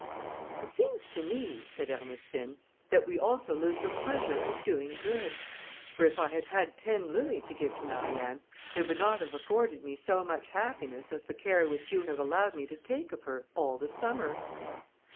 "It seems to me," said Ernestine, "that we also lose the pleasure of doing good; for if I had had ten louis to give to Marianne, they would not have afforded me so much happiness as the care which you have allowed me to take of her all the summer."